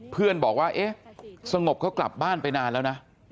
เพื่อนบอกว่าเอ๊ะสงบเขากลับบ้านไปนานแล้วนะ